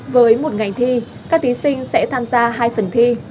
với một ngành thi các thí sinh sẽ tham gia hai phần thi